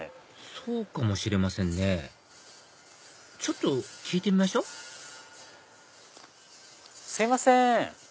そうかもしれませんねちょっと聞いてみましょすいません！